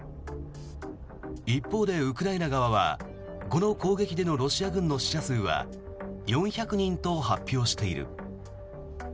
一方でウクライナ側はこの攻撃でのロシア軍の死者数は４００人と発表している。